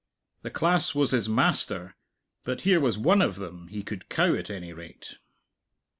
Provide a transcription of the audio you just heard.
The class was his master, but here was one of them he could cow at any rate.